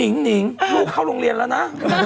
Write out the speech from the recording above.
หนิงลูกเข้าโรงเรียนแล้วนะ